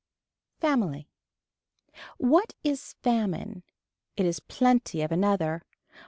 Family. What is famine. It is plenty of another.